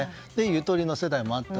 ゆとりの世代もあった。